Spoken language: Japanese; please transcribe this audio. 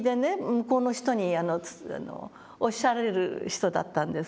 向こうの人におっしゃられる人だったんです。